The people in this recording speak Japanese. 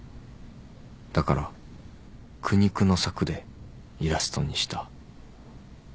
だから苦肉の策でイラストにした。